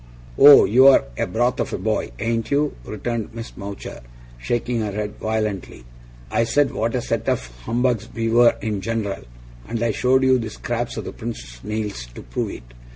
'Oh, you're a broth of a boy, ain't you?' returned Miss Mowcher, shaking her head violently. 'I said, what a set of humbugs we were in general, and I showed you the scraps of the Prince's nails to prove it.